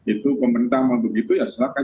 itu pemerintah mau begitu ya silahkan